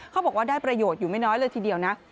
เขาบอกว่าได้ประโยชน์อยู่ไม่น้อยเลยทีเดียวนะ